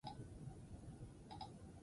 Kenyako nazioaren aitatzat jotzen da.